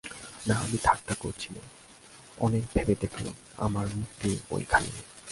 না, আমি ঠাট্টা করছি নে, অনেক ভেবে দেখলুম আমার মুক্তি ঐখানেই।